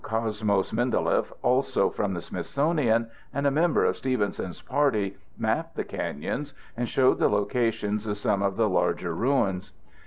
] Later in 1882, Cosmos Mindeleff, also from the Smithsonian and a member of Stevenson's party, mapped the canyons and showed the locations of some of the larger ruins.